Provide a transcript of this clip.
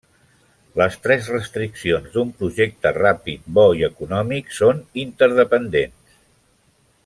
Les tres restriccions d'un projecte Ràpid, Bo i Econòmic són interdependent.